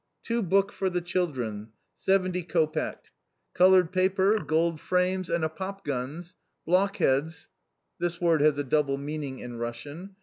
] "Two book for the children 70 copeck. Coloured paper, gold frames, and a pop guns, blockheads [This word has a double meaning in Russian.